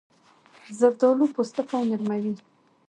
زردالو پوستکی نرم وي.